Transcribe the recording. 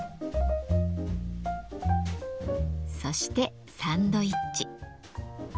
そしてサンドイッチ。